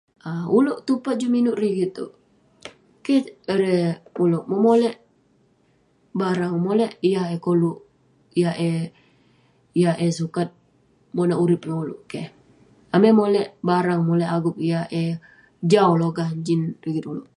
Ulouk tupat juk minak rigit itouk, keh ulouk..ulouk memolek barang, molek yah eh koluk..yah eh sukat monak urip ngan ulouk, keh..amai molek barang molek agup yah eh jau logah neh jin rigit ulouk..